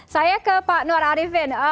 saya ke pak nur arifin